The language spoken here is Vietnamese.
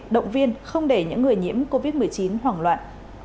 động viên không để những người nhiễm covid một mươi chín hoảng loạn